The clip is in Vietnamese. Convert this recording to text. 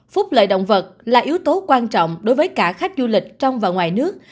phúc lợi động vật là yếu tố quan trọng đối với cả khách du lịch trong và ngoài nước